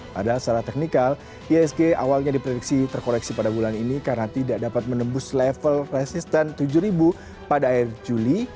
padahal secara teknikal isg awalnya diprediksi terkoreksi pada bulan ini karena tidak dapat menembus level resisten tujuh pada akhir juli